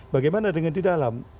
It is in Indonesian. bagaimana dengan di dalam